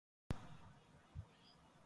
என்று துரியன் அதட்டிப் பேசினான்.